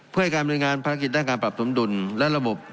เพื่อให้การบริการภารกิจด้านการปรับสมดุลและระบบ